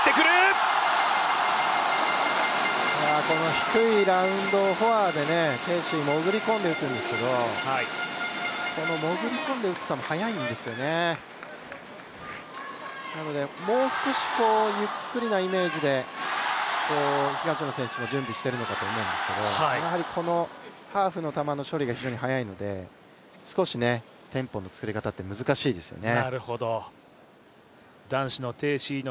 低いラウンドをフォアで鄭思緯は潜り込んで打つんですけど潜り込んで打つ球、速いんですよねなのでもう少しゆっくりなイメージで東野選手も準備しているのかと思うんですけれども、やはりハーフの球の処理が非常に速いので、少しテンポの作り方って難しいですよね。